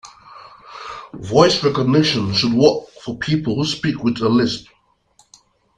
Voice recognition should work for people who speak with a lisp.